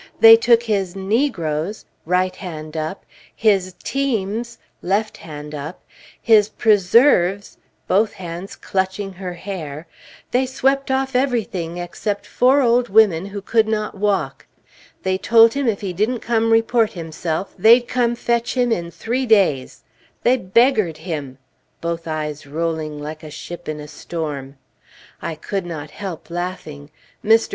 "They took his negroes [right hand up]; his teams [left hand up]; his preserves [both hands clutching her hair]; they swept off everything, except four old women who could not walk! they told him if he didn't come report himself, they'd come fetch him in three days! They beggared him!" [Both eyes rolling like a ship in a storm.] I could not help laughing. Mr.